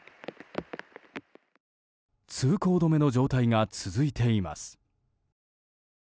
通行止めの状態が続いています。